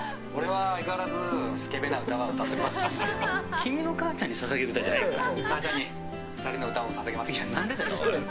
君の母ちゃんに捧げる歌じゃないから。